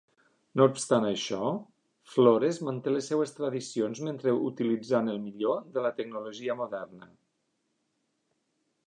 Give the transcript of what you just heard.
No obstant això, Flores manté les seves tradicions mentre utilitzant el millor de la tecnologia moderna.